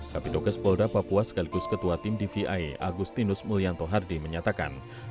kapitul kedua tim dvi agustinus mulyanto hardy menyatakan